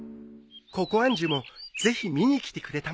ココアンジュもぜひ見に来てくれたまえ。